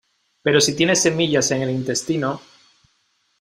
pero si tiene semillas en el intestino,